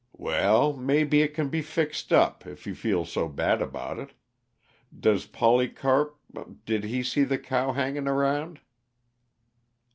"Well maybe it can be fixed up, if you feel so bad about it. Does Polycarp did he see the cow hanging around?"